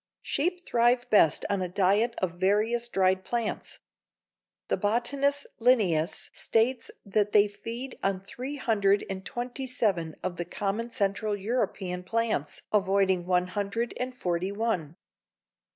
Sheep thrive best on a diet of various dried plants. The botanist Linnæus states that they "feed on three hundred and twenty seven of the common Central European plants, avoiding one hundred and forty one.